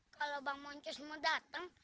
kalau bang monkes mau datang